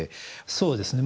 そうですね。